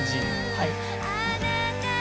はい。